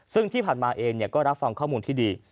ซึ่งที่ผ่านมาเองก็รับฟังข้อมูลที่ดี